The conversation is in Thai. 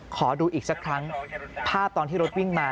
ขอดูอีกสักครั้งภาพตอนที่รถวิ่งมา